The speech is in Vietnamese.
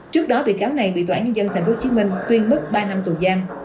trước đó bị cáo này bị tòa án nhân dân tp hcm tuyên mức ba năm tù giam